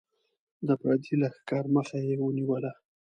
د پردي لښکر مخه یې ونیوله.